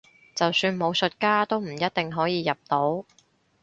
就算武術家都唔一定可以入到